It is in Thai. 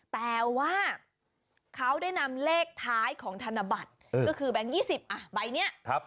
แต่ว่าเขาได้นำเลขท้ายของธนบัตรก็คือแบงค์๒๐อ่ะใบนี้